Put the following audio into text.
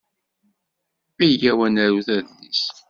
Iyyaw ad narut adlis.